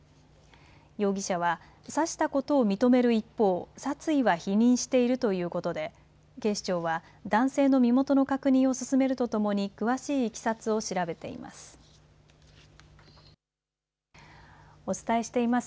容疑者は、刺したことを認める一方、殺意は否認しているということで警視庁は男性の身元の確認を進めるとともに詳しいいきさつを調べています。